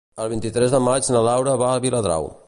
El vint-i-tres de maig na Laura va a Viladrau.